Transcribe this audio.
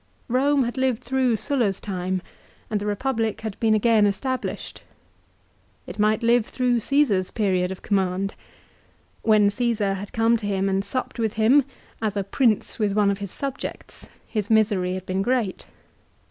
Rome had lived through Sulla's time, and the Republic had been again established. It might live through Caesar's period of command. When Caesar had come to him and supped with him, as a Prince with one of his subjects, his misery had been great.